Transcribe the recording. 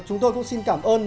chúng tôi cũng xin cảm ơn